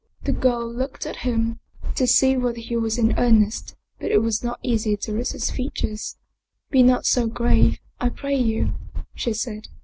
The girl looked at him to see whether he was in earnest, but it was not easy to read his features. " Be not so grave, I pray you," she said.